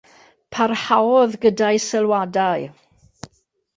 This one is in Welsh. Parhaodd gyda'i sylwadau.